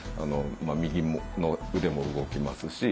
右の腕も動きますし。